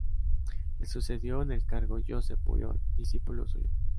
Le sucedió en el cargo Josep Pujol, discípulo suyo.